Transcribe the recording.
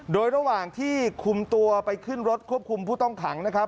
โดยระหว่างที่คุมตัวไปขึ้นรถควบคุมผู้ต้องขังนะครับ